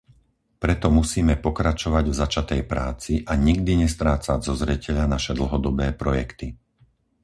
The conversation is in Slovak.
Preto musíme pokračovať v začatej práci a nikdy nestrácať zo zreteľa naše dlhodobé projekty.